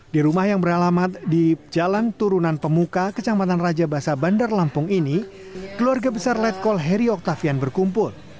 di rumah yang beralamat di jalan turunan pemuka kecamatan raja basa bandar lampung ini keluarga besar letkol heri oktavian berkumpul